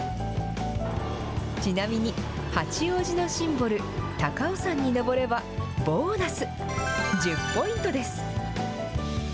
ちなみに、八王子のシンボル、高尾山に登れば、ボーナス、１０ポイントです。